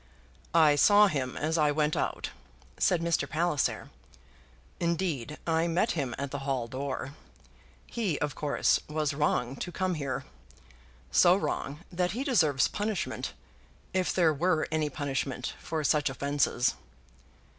"I saw him as I went out," said Mr. Palliser. "Indeed, I met him at the hall door. He, of course, was wrong to come here; so wrong, that he deserves punishment, if there were any punishment for such offences."